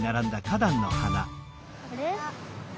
あれ？